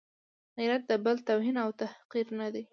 غیرت د بل توهین او تحقیر نه دی.